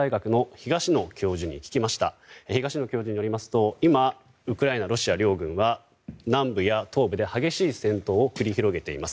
東野教授によりますと今ウクライナ、ロシア両軍は南部や東部で激しい戦闘を繰り広げています。